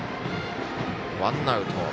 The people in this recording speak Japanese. ワンアウト。